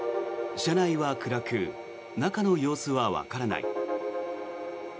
車内は暗く中の様子はわからない。